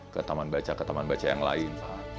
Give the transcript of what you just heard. ke taman baca ke taman baca yang lain